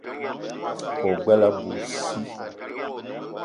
O gbele abui sii.